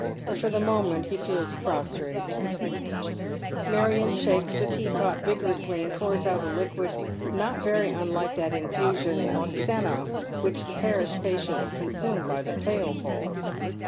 But for the moment be feels prostrate. In the Surgery. 909 Marion shalces the teapot vigorously, and ponrs out a liquid not very unlike that infusion of senna which the parish patients consume by the pailful.